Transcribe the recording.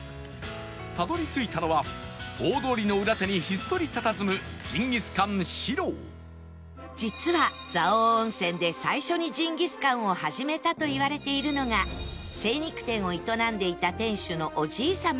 たどり着いたのは大通りの裏手にひっそりたたずむ実は蔵王温泉で最初にジンギスカンを始めたといわれているのが精肉店を営んでいた店主のおじい様